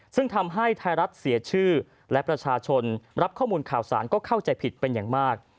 ซึ่งทำให้ไทยรัฐเสียชื่อและประชาชนรับข้อมูลข่าวสารก็เข้าใจผิดเป็นอย่างมาก